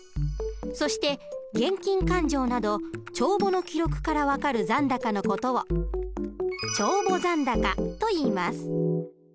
そして現金勘定など帳簿の記録から分かる残高の事を帳簿残高といいます。